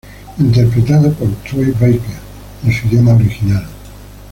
Interpretado por Troy Baker en su idioma original.